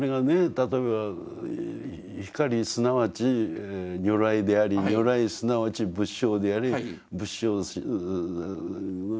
例えば光すなわち如来であり如来すなわち仏性であり仏性ねえ